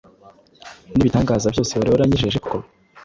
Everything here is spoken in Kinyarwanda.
N’ibitangaza byose wari waranyijeje koko!